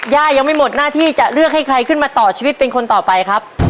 ย่ายังไม่หมดหน้าที่จะเลือกให้ใครขึ้นมาต่อชีวิตเป็นคนต่อไปครับ